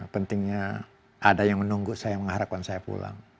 pentingnya ada yang menunggu saya mengharapkan saya pulang